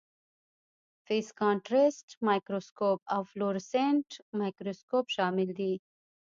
فیز کانټرسټ مایکروسکوپ او فلورسینټ مایکروسکوپ شامل دي.